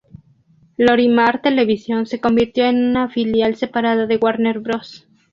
Lorimar Television se convirtió en una filial separada de Warner Bros.